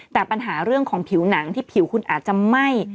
แต่ปัญหาเรื่องของผิวหนังที่ผิวคุณอาจจะไหม้